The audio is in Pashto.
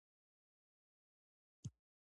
د غریب غاښ په حلوا کې ماتېږي.